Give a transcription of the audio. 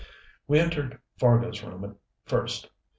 We entered Fargo's room first.